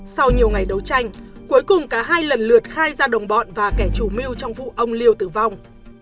sau nhiều ngày đấu tranh cuối cùng cả hai lần lượt khai ra đồng bọn và kẻ chủ mưu trong vụ ông liêu tử vong